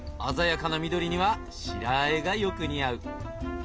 鮮やかな緑には白和えがよく似合う。